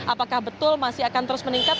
apakah betul masih akan terus meningkat